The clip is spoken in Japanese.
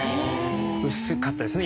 薄かったですね